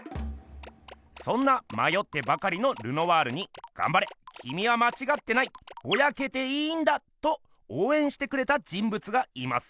そんなまよってばかりのルノワールに「がんばれきみはまちがってないボヤけていいんだ」とおうえんしてくれた人物がいます。